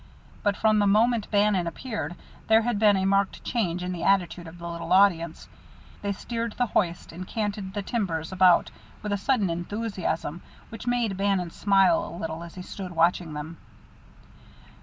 But from the moment Bannon appeared there had been a marked change in the attitude of the little audience; they steered the hoist and canted the timbers about with a sudden enthusiasm which made Bannon smile a little as he stood watching them.